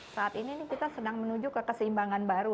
saat ini kita sedang menuju ke keseimbangan baru